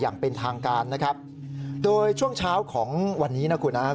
อย่างเป็นทางการนะครับโดยช่วงเช้าของวันนี้นะครับ